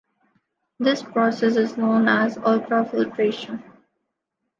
This process is known as ultrafiltration.